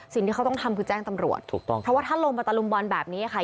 สิ่งที่เขาต้องทำคือแจ้งตำรวจถูกต้องเพราะว่าถ้าลงมาตะลุมบอลแบบนี้ค่ะ